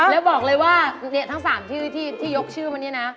แล้วบอกเลยว่าทั้ง๓ชื่อที่ยกชื่อมาเนี่ยนะ